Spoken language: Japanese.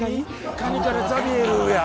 「カニからザビエル」や。